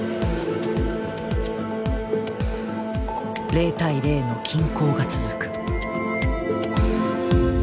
０対０の均衡が続く。